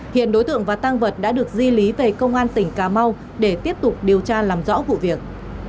hiện đối tượng và tăng vật đã được di lý về công an tỉnh cà mau để tiếp tục điều tra làm rõ vụ việc